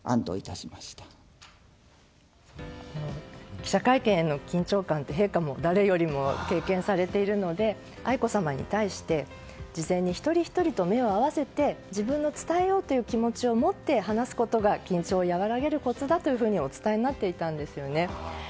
記者会見への緊張感って陛下は誰よりも経験されているので愛子さまに対して事前に一人ひとりと目を合わせて自分の伝えようという気持ちを持って、話すことが緊張を和らげるコツだとお伝えになっていたんですね。